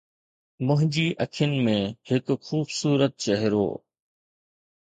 منهنجي اکين ۾ هڪ خوبصورت چهرو